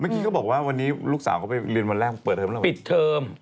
เขาบอกว่าวันนี้ลูกสาวเขาไปเรียนวันแรกเปิดเทอมหรือเปล่าปิดเทอม